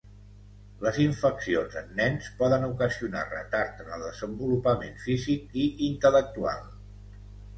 Les infeccions en nens poden ocasionar retard en el desenvolupament físic i intel·lectual.